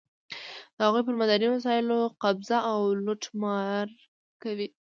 د هغوی پر معدني وسایلو قبضه او لوټمار کوي.